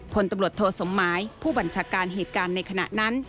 พลตำรวจโทสมหมายผู้บัญชาการเหตุการณ์ในขณะนั้น